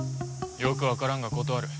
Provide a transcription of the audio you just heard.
よくわからんが断る。